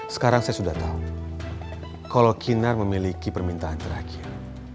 sekarang saya sudah tahu kalau kinar memiliki permintaan terakhir